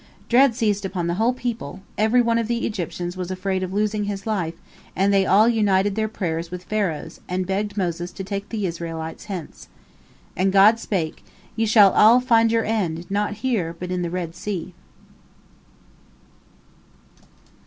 Dread seized upon the whole people; every one of the Egyptians was afraid of losing his life, and they all united their prayers with Pharaoh's, and begged Moses to take the Israelites hence. And God spake, Ye shall all find your end, not here, but in the Red Sea!"